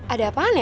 ada apaan ya